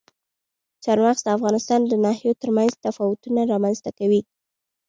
چار مغز د افغانستان د ناحیو ترمنځ تفاوتونه رامنځ ته کوي.